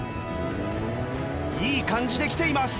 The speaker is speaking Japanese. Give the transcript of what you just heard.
いい感じできています。